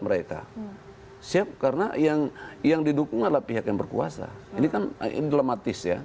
mereka siap karena yang yang didukung adalah pihak yang berkuasa ini kan dilematis ya